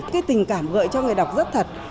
cái tình cảm gợi cho người đọc rất thật